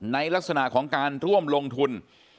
ลักษณะของการร่วมลงทุน